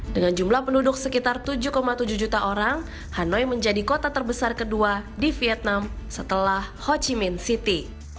dengan jumlah penduduk sekitar tujuh tujuh juta orang hanoi menjadi kota terbesar kedua di vietnam setelah ho chi minh city